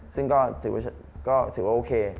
ซึ่งก็ถือว่าโอเค